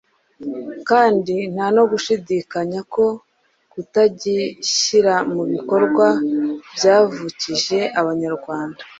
kandi nta no gushidikanya ko kutagishyira mu bikorwa byavukije Abanyarwanda